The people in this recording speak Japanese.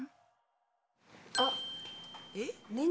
あっ。